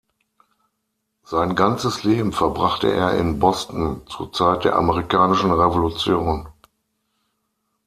Sein ganzes Leben verbrachte er in Boston, zur Zeit der Amerikanischen Revolution.